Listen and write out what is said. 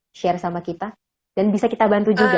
mungkin bisa di share sama kita dan bisa kita bantu juga